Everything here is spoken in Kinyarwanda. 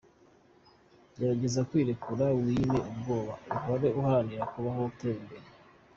Gerageza kwirekura wiyime ubwoba, uhore uharanira kubaho utera imbere.